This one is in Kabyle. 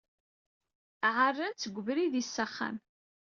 Ɛerran-t deg ubrid-is s axxam.